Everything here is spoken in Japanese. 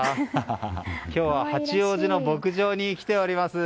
今日は八王子の牧場に来ております。